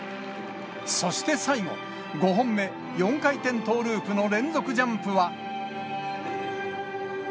そして最後、５本目、４回転トーループの連続ジャンプは。